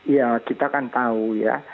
ya kita kan tahu ya